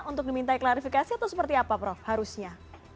untuk diminta klarifikasi atau seperti apa prof harusnya